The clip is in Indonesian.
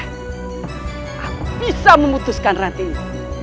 aku bisa memutuskan ratiku